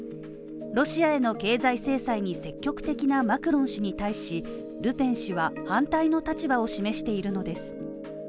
ロシアへの経済制裁に積極的なマクロン氏に対し、ルペン氏は反対の立場を示しているのです。